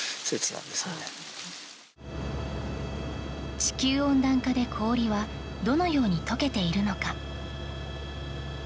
地球温暖化で氷はどのように解けているのか。